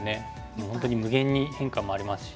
もう本当に無限に変化もありますし。